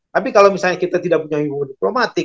tapi kalau misalnya kita tidak punya ilmu diplomatik